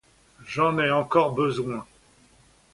J'en ai encore besoin.